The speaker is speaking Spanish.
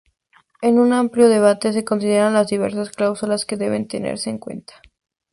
En un amplio debate se consideran las diversas cláusulas que deben tenerse en cuenta.